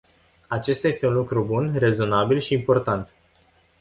Acesta este un lucru bun, rezonabil și important.